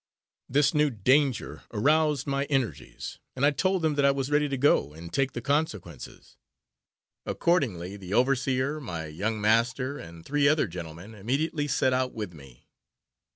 This new danger aroused my energies and I told them that I was ready to go, and take the consequences. Accordingly, the overseer, my young master, and three other gentlemen, immediately set out with me.